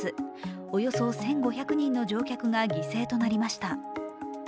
およそ１５００人の乗客が犠牲となりました。